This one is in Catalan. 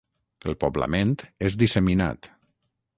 El poblament és disseminat.